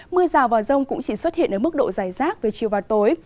mưa rào và rông cũng chỉ xuất hiện ở mức độ dài rác về chiều và tối